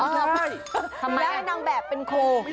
ไม่ได้ไม่ได้ให้นางแบบเป็นโค